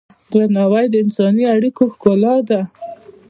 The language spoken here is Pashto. درناوی د انساني اړیکو ښکلا ده.